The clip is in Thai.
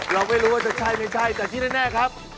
เราไม่รู้ว่าจะใช่ไม่ใช่แต่ที่แน่ครับ